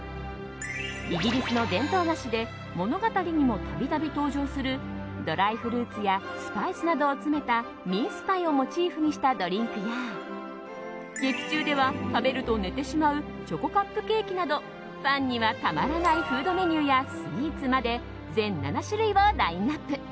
イギリスの伝統菓子で物語にも度々、登場するドライフルーツやスパイスなどを詰めたミンスパイをモチーフにしたドリンクや劇中では食べると寝てしまうチョコカップケーキなどファンにはたまらないフードメニューやスイーツまで全７種類をラインアップ。